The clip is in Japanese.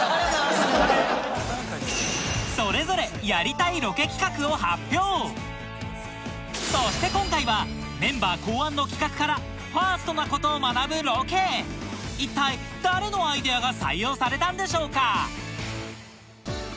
それぞれやりたいそして今回はメンバー考案の企画からＦＩＲＳＴなことを学ぶロケ一体誰のアイデアが採用されたんでしょうか？